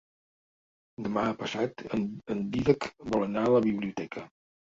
Demà passat en Dídac vol anar a la biblioteca.